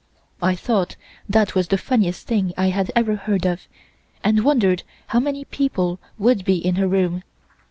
I thought that was the funniest thing I had ever heard of, and wondered how many people would be in her room.